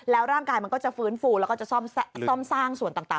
ร่างกายมันก็จะฟื้นฟูแล้วก็จะซ่อมสร้างส่วนต่าง